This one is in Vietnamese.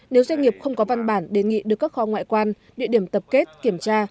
nếu doanh nghiệp không có văn bản đề nghị được các kho ngoại quan địa điểm tập kết kiểm tra